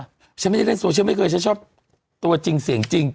ฉันไม่ได้เล่นโซเชียลไม่เคยฉันชอบตัวจริงเสียงจริง